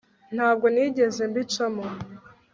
ntabwo nigeze mbicamo